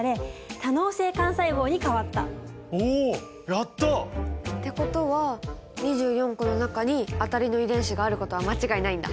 やった！ってことは２４個の中に当たりの遺伝子があることは間違いないんだ。